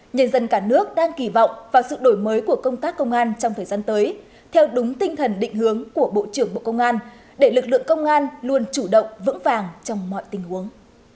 nhân dân cả nước đang kỳ vọng vào sự đổi mới của công tác công an trong thời gian tới theo đúng tinh thần định hướng của bộ trưởng bộ công an để lực lượng công an luôn chủ động vững vàng trong mọi tình huống